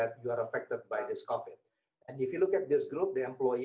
karena mereka harus tinggal di rumah